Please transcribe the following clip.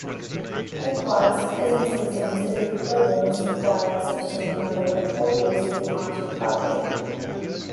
Likewise, businesses and civic buildings require a sufficient number of workers to function properly.